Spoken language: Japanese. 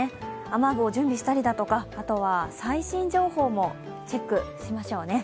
雨具を準備したり、あとは最新情報もチェックしましょうね。